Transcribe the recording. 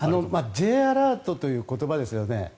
Ｊアラートという言葉ですよね。